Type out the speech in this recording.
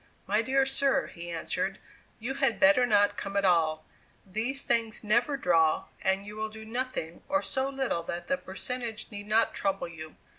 "My dear sir," he answered, "you had better not come at all; these things never draw, and you will do nothing, or so little that the percentage need not trouble you."